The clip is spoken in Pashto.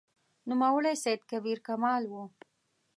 نوموړی سید کبیر کمال و.